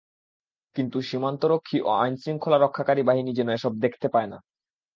কিন্তু সীমান্তরক্ষী ও আইনশৃঙ্খলা রক্ষাকারী বাহিনী যেন এসব দেখতে পায় না।